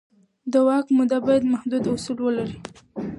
د واک موده باید محدود اصول ولري